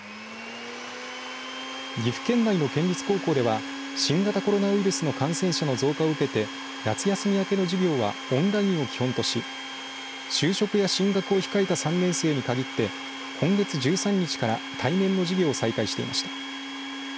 岐阜県内の県立高校では新型コロナウイルスの感染者の増加を受けて夏休み明けの授業はオンラインを基本とし就職や進学を控えた３年生に限って今月１３日から対面の授業を再開していました。